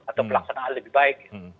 atau pelaksanaan lebih baik